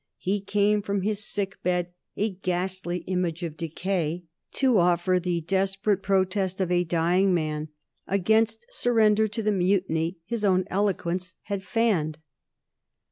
He came from his sick bed, a ghastly image of decay, to offer the desperate protest of a dying man against surrender to the mutiny his own eloquence had fanned.